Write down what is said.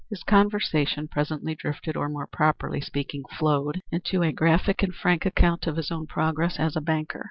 His conversation presently drifted, or more properly speaking, flowed into a graphic and frank account of his own progress as a banker.